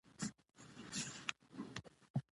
وادي د افغانستان د سیاسي جغرافیه برخه ده.